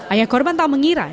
ayah korban tak mengira